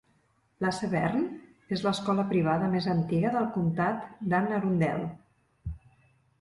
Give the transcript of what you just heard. La Severn és l'escola privada més antiga del comtat d'Anne Arundel.